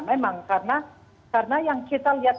memang karena yang kita lihat